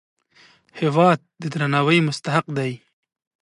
هېواد د درناوي مستحق دی.